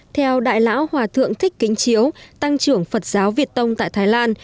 theo đại lão hòa thượng thích kính chiếu tăng trưởng phật giáo việt tông tại thái lan